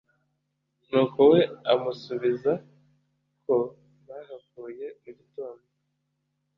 nuko we amusubiza ko bahavuye mu gitondo